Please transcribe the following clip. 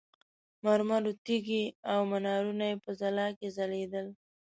مرمرو تیږې او منارونه یې په ځلا کې ځلېدل.